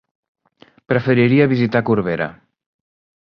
Preferiria visitar Corbera.